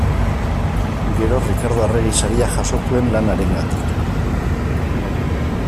Gero Rikardo Arregi Saria jaso zuen lan harengatik.